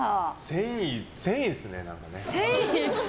繊維、繊維ですね。